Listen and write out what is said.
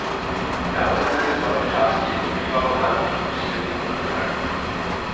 Dále zemi z malé části obýval národ Muslimů a Arabů.